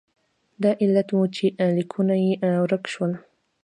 دا علت و چې لیکونه یې ورک شول.